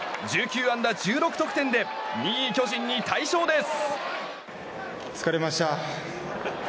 １９安打１６得点で２位、巨人に大勝です。